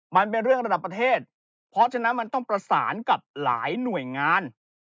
มันเป็นเรื่องระดับประเทศเพราะฉะนั้นมันต้องประสานกับหลายหน่วยงาน